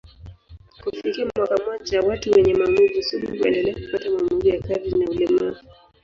Kufikia mwaka mmoja, watu wenye maumivu sugu huendelea kupata maumivu ya kadri na ulemavu.